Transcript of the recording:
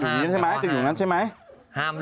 ใช่อีกไม่ทำแบบนั้นนะคะ